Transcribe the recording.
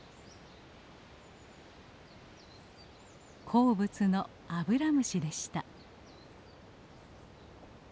好物のアブラムシでした。